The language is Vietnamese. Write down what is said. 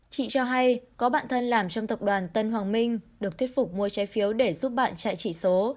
chị cho hay có bạn thân làm trong tập đoàn tân hoàng minh được thuyết phục mua trái phiếu để giúp bạn chạy chỉ số